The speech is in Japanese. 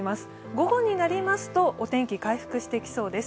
午後になりますと、お天気回復してきそうです。